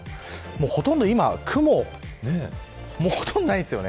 ほとんど今雲はほとんどないんですよね。